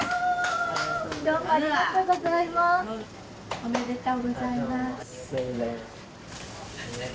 おめでとうございます。